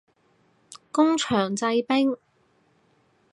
工場製冰